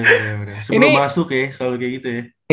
iya sebelum masuk ya selalu kayak gitu ya